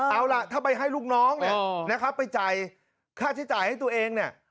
เอาล่ะถ้าไปให้ลูกน้องเนี่ยนะครับไปจ่ายค่าใช้จ่ายให้ตัวเองเนี่ย